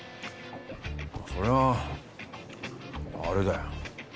そりゃあれだよ。